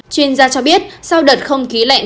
chuyên gia cho biết sau đợt không khí lạnh